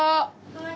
・はい。